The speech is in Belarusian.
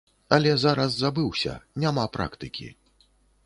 Але зараз забыўся, няма практыкі.